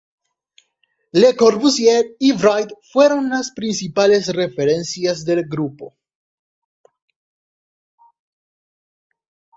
Le Corbusier y Wright fueron las principales referencias del grupo.